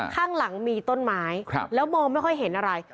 ข้างหลังมีต้นไม้แล้วมองไม่ค่อยเห็นอะไร